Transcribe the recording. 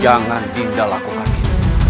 jangan dinda lakukan gitu